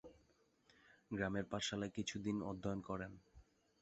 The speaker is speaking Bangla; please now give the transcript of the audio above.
গ্রামের পাঠশালায় কিছুদিন অধ্যয়ন করেন।